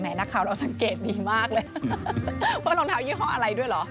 นักข่าวเราสังเกตดีมากเลยว่ารองเท้ายี่ห้ออะไรด้วยเหรอ